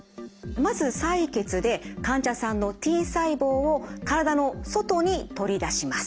まず採血で患者さんのＴ細胞を体の外に取り出します。